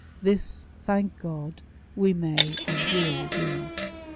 This, thank God, we may and will do.